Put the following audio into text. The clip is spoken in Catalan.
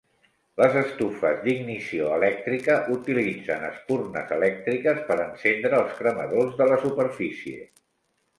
Les estufes d'ignició elèctrica utilitzen espurnes elèctriques per encendre els cremadors de la superfície.